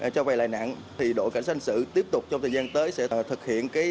cho vai lãi nặng thì đội cảnh sát hành sự tiếp tục trong thời gian tới sẽ thực hiện